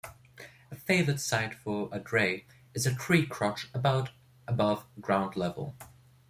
A favoured site for a drey is a tree crotch about above ground level.